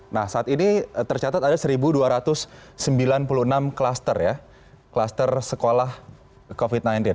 nah saat ini tercatat ada satu dua ratus sembilan puluh enam klaster ya kluster sekolah covid sembilan belas